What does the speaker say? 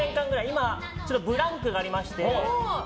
今、ちょっとブランクがありまして。